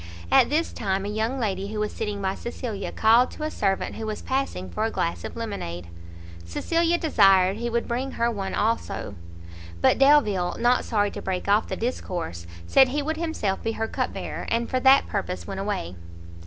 At this time a young lady who was sitting by Cecilia, called to a servant who was passing, for a glass of lemonade; Cecilia desired he would bring her one also; but Delvile, not sorry to break off the discourse, said he would himself be her cup bearer, and for that purpose went away.